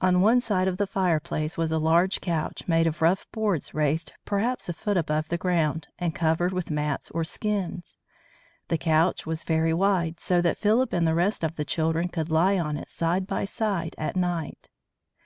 On one side of the fireplace was a large couch made of rough boards raised perhaps a foot above the ground and covered with mats or skins. The couch was very wide, so that Philip and the rest of the children could lie on it side by side at night.